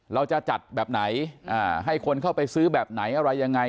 เราจะจัดแบบไหนให้คนเข้าไปซื้อแบบไหนอะไรยังไง